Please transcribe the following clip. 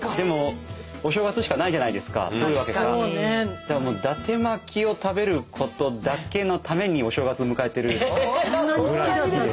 だからだて巻きを食べることだけのためにお正月を迎えてるぐらい好きです。